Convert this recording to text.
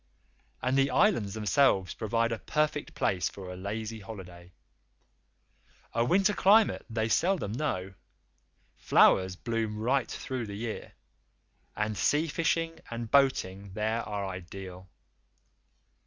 And the Islands themselves provide a perfect place for a lazy holiday. A winter climate they seldom know; flowers bloom right through the year, and sea fishing and boating there are ideal.